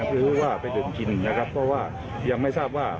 หรือว่าไปดื่มกินนะครับเพราะว่ายังไม่ทราบว่า